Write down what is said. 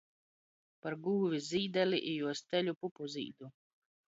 Par gūvi Zīdali i juos teļu Pupuzīdu.